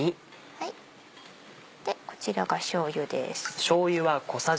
こちらがしょうゆです。